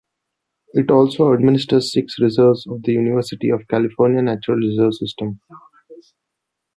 It also administers six reserves of the University of California Natural Reserve System.